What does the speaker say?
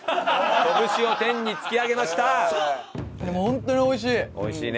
本当においしい！